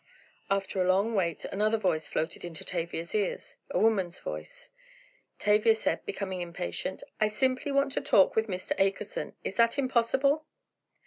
After a long wait another voice floated into Tavia's ear—a woman's voice. Tavia said, becoming impatient: "I simply want to talk with Mr. Akerson. Is that impossible?"